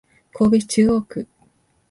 神戸市中央区